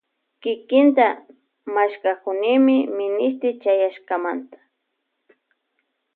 Kikinta mashkakunimi minishti chayakamanta.